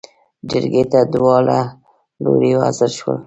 جرګې ته داوړه لورې حاضر شول.